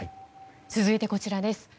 続いて、こちらです。